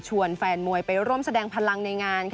แฟนมวยไปร่วมแสดงพลังในงาน